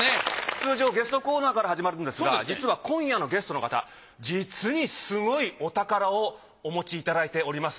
通常ゲストコーナーから始まるんですが実は今夜のゲストの方実にすごいお宝をお持ちいただいております。